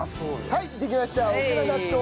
はいできました！